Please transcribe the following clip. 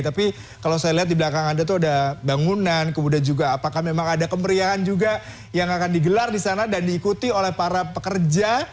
tapi kalau saya lihat di belakang anda itu ada bangunan kemudian juga apakah memang ada kemeriahan juga yang akan digelar di sana dan diikuti oleh para pekerja